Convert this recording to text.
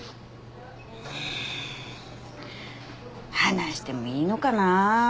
うん話してもいいのかなぁ？